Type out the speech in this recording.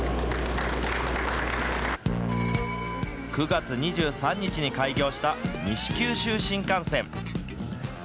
９月２３日に開業した西九州新幹線。